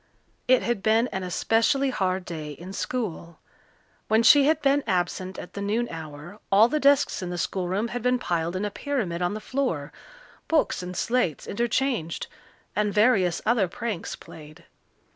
It had been an especially hard day in school. When she had been absent at the noon hour all the desks in the schoolroom had been piled in a pyramid on the floor, books and slates interchanged, and various other pranks played.